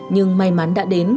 nhưng may mắn đã đến